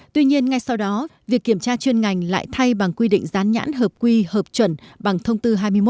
tuy nhiên ngay sau đó việc kiểm tra chuyên ngành lại thay bằng quy định gián nhãn hợp quy hợp chuẩn bằng thông tư hai mươi một